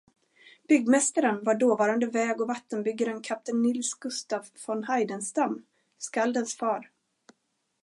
Byggmästaren var dåvarande väg- och vattenbyggaren kapten Nils Gustaf von Heidenstam, skaldens far.